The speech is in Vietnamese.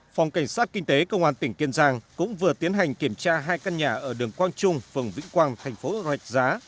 phòng cảnh sát kinh tế công an tỉnh kiên giang cũng vừa tiến hành kiểm tra hai căn nhà ở đường quang trung phường vĩnh quang thành phố rạch giá